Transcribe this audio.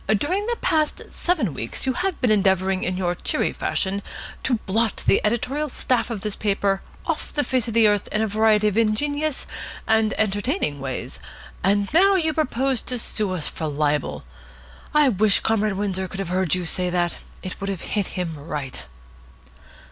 During the past seven weeks you have been endeavouring in your cheery fashion to blot the editorial staff of this paper off the face of the earth in a variety of ingenious and entertaining ways; and now you propose to sue us for libel! I wish Comrade Windsor could have heard you say that. It would have hit him right."